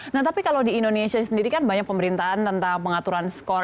nah tapi kalau di indonesia sendiri kan banyak pemerintahan tentang pengaturan skor